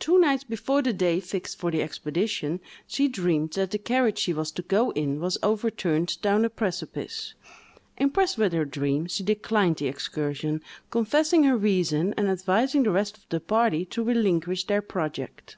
Two nights before the day fixed for the expedition, she dreamed that the carriage she was to go in was overturned down a precipice. Impressed with her dream, she declined the excursion, confessing her reason, and advising the rest of the party to relinquish their project.